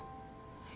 え。